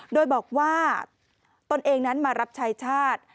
โดยบอกว่าตนเองนั้นมารับชายชาติ